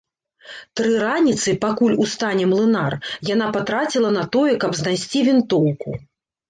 Тры раніцы, пакуль устане млынар, яна патраціла на тое, каб знайсці вінтоўку.